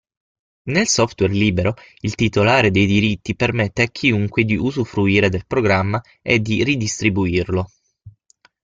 Nel software libero, il titolare dei diritti permette a chiunque di usufruire del programma e di ridistribuirlo.